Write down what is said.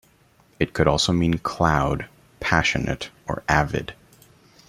It could also mean "cloud", "passionate" or "avid"